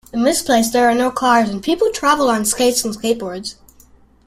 In this place there are no cars and people travel on skates and skateboards.